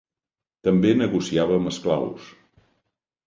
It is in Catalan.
També negociava amb esclaus.